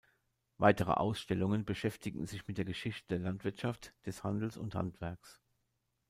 Weitere Ausstellungen beschäftigen sich mit der Geschichte der Landwirtschaft, des Handels und Handwerks.